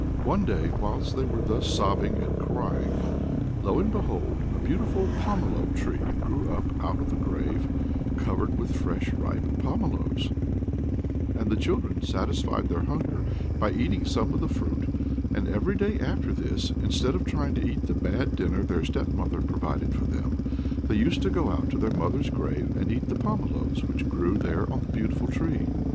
One day, whilst they were thus sobbing and crying, lo and behold! a beautiful pomelo tree grew up out of the grave, covered with fresh ripe pomeloes, and the children satisfied their hunger by eating some of the fruit, and every day after this, instead of trying to eat the bad dinner their step mother provided for them, they used to go out to their mother's grave and eat the pomeloes which grew there on the beautiful tree.